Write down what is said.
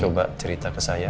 kalau begitu coba cerita ke saya